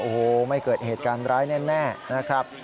โอ้โหไม่เกิดเหตุการณ์ร้ายแน่นะครับ